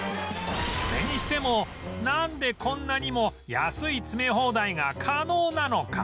それにしてもなんでこんなにも安い詰め放題が可能なのか？